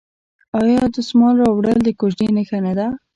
آیا د دسمال راوړل د کوژدې نښه نه ده؟